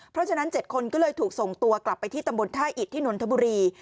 เพราะฉะนั้น๗คนก็เลยถูกส่งตัวกลับไปที่ตำบลท่าอิดที่นนทบุรี